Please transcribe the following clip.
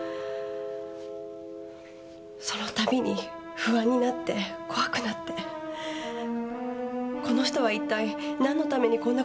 その度に不安になって怖くなってこの人は一体なんのためにこんな事をするんだろうって。